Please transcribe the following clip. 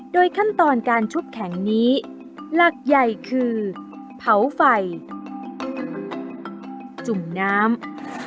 ขั้นตอนการชุบแข็งนี้หลักใหญ่คือเผาไฟจุ่มน้ำ